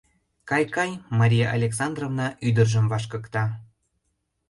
— Кай, кай, — Мария Александровна ӱдыржым вашкыкта.